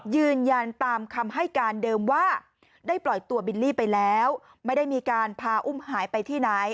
ยืนยันตามคำให้การเดิมว่าได้ปล่อยตัวบิลลี่ไปแล้วไม่ได้มีการพาอุ้มหายไปที่ไหน